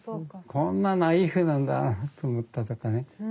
「こんなナイーフなんだ」と思ったとかね。